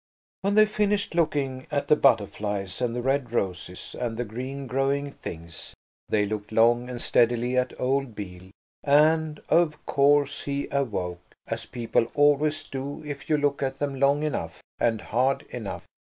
When they finished looking at the butterflies and the red roses and the green growing things, they looked long and steadily at old Beale, and, of course, he awoke, as people always do if you look at them long enough and hard enough.